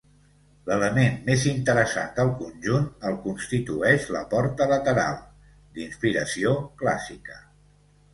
L'element més interessant del conjunt el constitueix la porta lateral, d'inspiració clàssica.